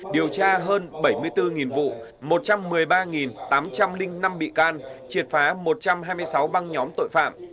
điều tra hơn bảy mươi bốn vụ một trăm một mươi ba tám trăm linh năm bị can triệt phá một trăm hai mươi sáu băng nhóm tội phạm